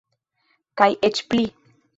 Kaj eĉ pli!